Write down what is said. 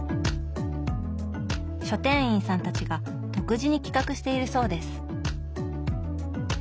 書店員さんたちが独自に企画しているそうです。